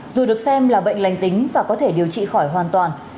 dù được xem là bệnh lành tính và có thể điều trị khỏi hoàn toàn